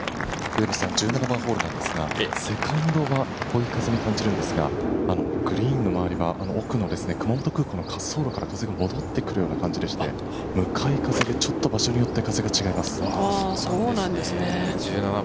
１７番ホール、セカンドが追い風に感じるのですが、グリーン周りは熊本空港の滑走路からの風が戻ってくるような感じで、向かい風で場所によって風が違います。